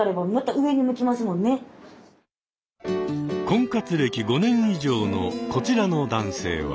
婚活歴５年以上のこちらの男性は？